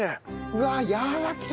うわやわらけえ。